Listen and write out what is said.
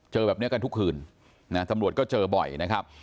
เจอแบบนี้กันทุกคืนนะตำรวจก็เจอบ่อยนะครับ